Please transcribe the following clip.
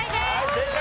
正解！